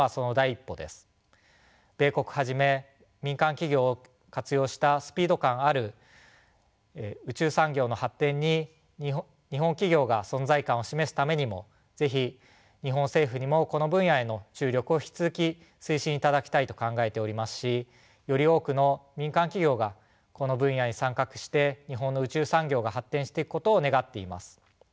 米国はじめ民間企業を活用したスピード感ある宇宙産業の発展に日本企業が存在感を示すためにも是非日本政府にもこの分野への注力を引き続き推進いただきたいと考えておりますしより多くの民間企業がこの分野に参画して日本の宇宙産業が発展していくことを願っています。